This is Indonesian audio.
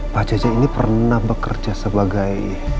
pak cece ini pernah bekerja sebagai